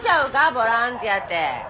ボランティアて。